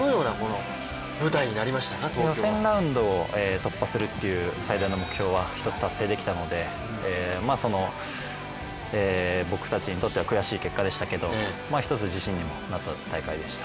予選ラウンドを突破するっていう最大の目標は一つ達成できたので、僕たちにとっては悔しい結果でしたけど１つ自身にもなった大会でした。